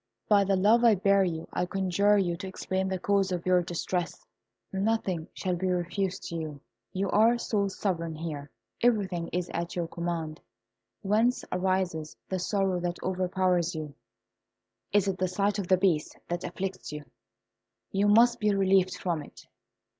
By the love I bear you, I conjure you to explain the cause of your distress. Nothing shall be refused to you. You are sole sovereign here everything is at your command. Whence arises the sorrow that overpowers you? Is it the sight of the Beast that afflicts you? You must be relieved from it!"